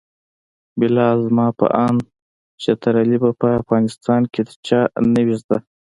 بلاله زما په اند چترالي به په افغانستان کې د چا نه وي زده.